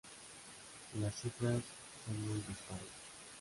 Las cifras son muy dispares.